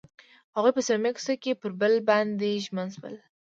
هغوی په صمیمي کوڅه کې پر بل باندې ژمن شول.